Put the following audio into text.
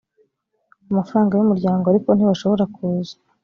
amafaranga y umuryango ariko ntibashobora kuza